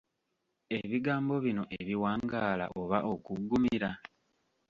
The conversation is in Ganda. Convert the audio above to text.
Ebigambo bino ebiwangaala oba okuggumira?